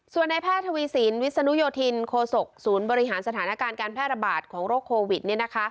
ส่วนในแพทย์ทวีสินวิศนุโยธินโคศกศูนย์บริหารสถานการณ์การแพร่ระบาดของโรคโควิด